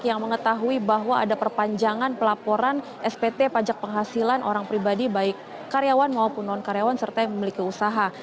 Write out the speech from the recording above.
yang mengetahui bahwa ada perpanjangan pelaporan spt pajak penghasilan orang pribadi baik karyawan maupun non karyawan serta yang memiliki usaha